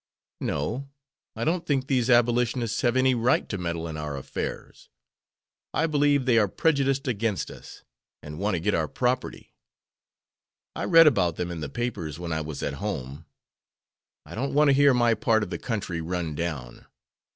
"No; I don't think these Abolitionists have any right to meddle in our affairs. I believe they are prejudiced against us, and want to get our property. I read about them in the papers when I was at home. I don't want to hear my part of the country run down.